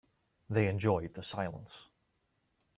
They enjoyed the silence.